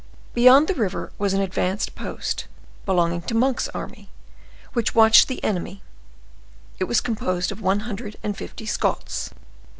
Beyond the river was an advanced post, belonging to Monk's army, which watched the enemy; it was composed of one hundred and fifty Scots.